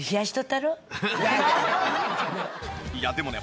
いやでもね